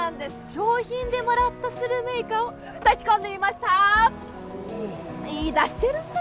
賞品でもらったスルメイカを炊き込んでみましたいい出汁出るんだ